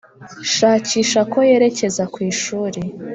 shakisha ko yerekeza ku ishuri.